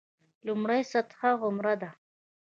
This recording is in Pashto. لومړۍ سطح عمره ده.